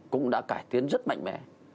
cũng đã cải tiến rất mạnh mẽ